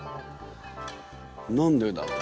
何でだろう？